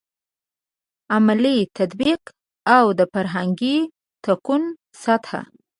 عملي تطبیق او د فرهنګي تکون سطحه.